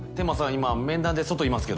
今面談で外いますけど。